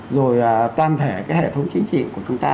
rồi toàn thể cái hệ thống chính trị của chúng ta